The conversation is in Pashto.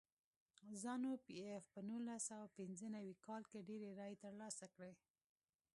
زانو پي ایف په نولس سوه پنځه نوي کال کې ډېرې رایې ترلاسه کړې.